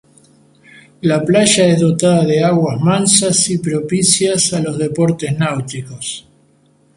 La playa es dotada de aguas mansas y propicias a los deportes náuticos.